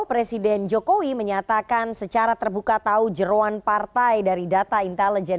presiden jokowi menyatakan secara terbuka tahu jeruan partai dari data intelijen